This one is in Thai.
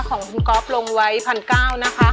ของคุณก๊อฟลงไว้๑๙๐๐นะคะ